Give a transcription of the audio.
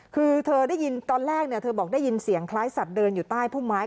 คือเธอได้ยินตอนแรกเธอบอกได้ยินเสียงคล้ายสัตว์เดินอยู่ใต้พุ่มไม้